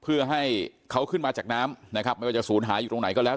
เพื่อให้เขาขึ้นมาจากน้ำนะครับไม่ว่าจะศูนย์หายอยู่ตรงไหนก็แล้ว